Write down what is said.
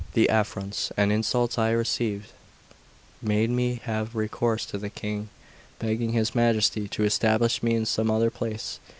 XIII THE AFFRONTS and insults I received made me have recourse to the King, begging his Majesty to establish me in some other place.